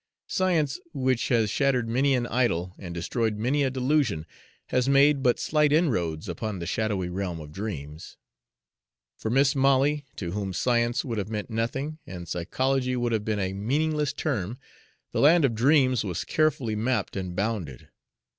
Science, which has shattered many an idol and destroyed many a delusion, has made but slight inroads upon the shadowy realm of dreams. For Mis' Molly, to whom science would have meant nothing and psychology would have been a meaningless term, the land of dreams was carefully mapped and bounded.